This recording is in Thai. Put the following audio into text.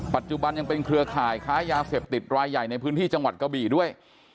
ปัจจุบันยังเป็นเครือข่ายค้ายาเสพติดรายใหญ่ในพื้นที่จังหวัดกะบี่ด้วย